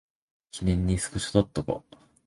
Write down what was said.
記念にスクショ撮っとこ